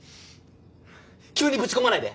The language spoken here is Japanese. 急にぶち込まないで！